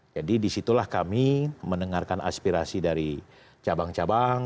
jadi disitulah kami mendengarkan aspirasi dari cabang cabang